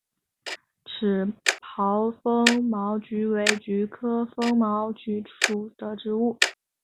齿苞风毛菊为菊科风毛菊属的植物。